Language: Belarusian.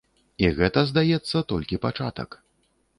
І гэта, здаецца, толькі пачатак.